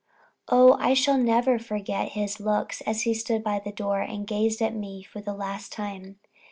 Oh I shall never forget his looks, as he stood by the door, and gazed at me for the last time.